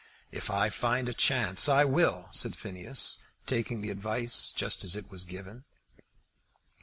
"If I find a chance, I will," said Phineas, taking the advice just as it was given.